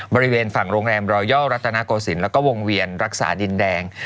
บริเวณฝั่งโรงแรมรอยย่อรัตนาโกศิลป์แล้วก็วงเวียนรักษาดินแดง